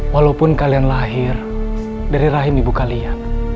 walaupun kalian lahir dari rahim ibu kalian